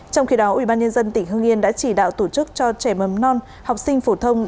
trong khi đó ubnd tỉnh hương yên đã chỉ đạo tổ chức cho trẻ mầm non học sinh phổ thông